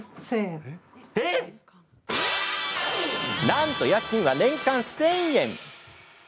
なんと家賃は、年間１０００円。